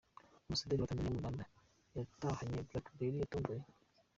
Ambasaderi wa Tanzaniya mu Rwanda yatahanye BlackBerry yatomboye.